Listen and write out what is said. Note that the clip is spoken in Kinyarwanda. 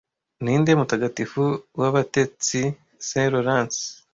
Ninde mutagatifu wabatetsi St Laurence